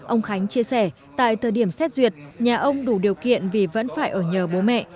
ông khánh chia sẻ tại thời điểm xét duyệt nhà ông đủ điều kiện vì vẫn phải ở nhờ bố mẹ